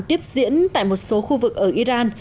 tiếp diễn tại một số khu vực ở iran